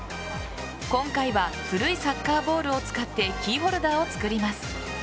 今回は古いサッカーボールを使ってキーホルダーを作ります。